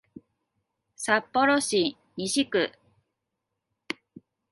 札幌市西区